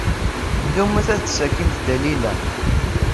Ddumt ad d-tessakimt Dalila.